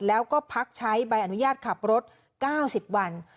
แล้วก็พักใช้ใบอนุญาตขับรถ๙๐วัน